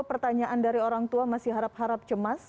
pertanyaan dari orang tua masih harap harap cemas